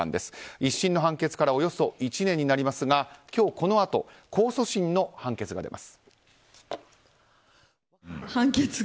１審の判決からおよそ１年になりますが今日、このあと控訴審の判決が出ます。